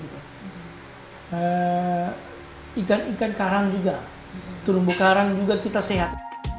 ikan ikan karang juga terumbu karang juga kita sehat